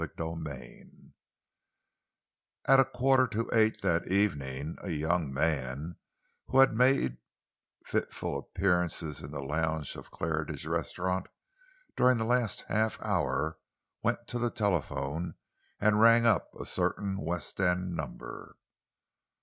CHAPTER XIX At a quarter to eight that evening, a young man who had made fitful appearances in the lounge of Claridge's Restaurant during the last half hour went to the telephone and rang up a certain West End number.